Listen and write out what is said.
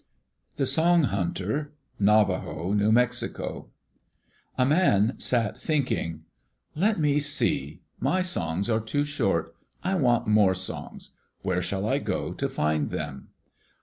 The Song Hunter Navajo (New Mexico) A man sat thinking. "Let me see. My songs are too short. I want more songs. Where shall I go to find them?"